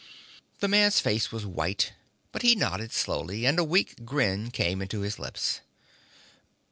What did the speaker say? The man's face was white, but he nodded slowly, and a weak grin came onto his lips.